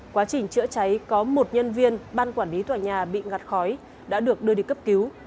quá trình chữa cháy có một nhân viên ban quản lý tòa nhà bị ngặt khói đã được đưa đi cấp cứu